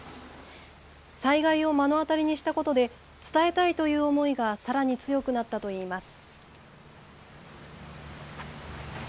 災害を目の当たりにしたことで伝えたいという思いがさらに強くなったといいます。